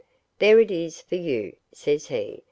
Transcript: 'There it is for you,' says he.